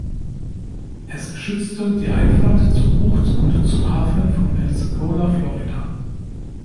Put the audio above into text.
Es schützte die Einfahrt zur Bucht und zum Hafen von Pensacola, Florida.